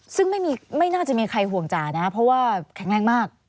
ซึ่งไม่น่าจะมีใครห่วงจ่านะเพราะว่าแข็งแรงมาก